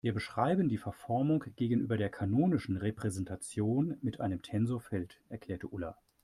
Wir beschreiben die Verformung gegenüber der kanonischen Repräsentation mit einem Tensorfeld, erklärte Ulla.